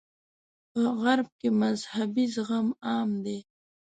په غرب کې مذهبي زغم عام دی.